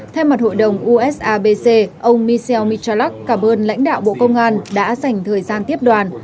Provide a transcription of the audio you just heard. theo mặt hội đồng usabc ông michel michalak cả bơn lãnh đạo bộ công an đã dành thời gian tiếp đoàn